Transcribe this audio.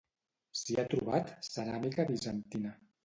S'hi ha trobat ceràmica bizantina.